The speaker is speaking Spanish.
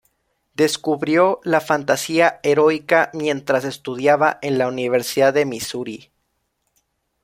Descubrió la fantasía heroica mientras estudiaba en la Universidad de Misuri.